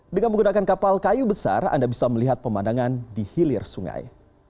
dengan menggunakan kapal kayu besar anda bisa melihat pemandangan di hilir sungai